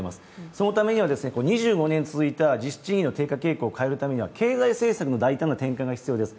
そのためには、２５年続いた、実質賃金を変えるためには経済政策の大胆な転換が必要です。